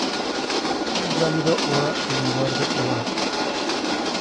Es válido "oa" en lugar de "ua".